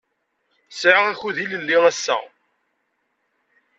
Sɛiɣ akud ilelli ass-a.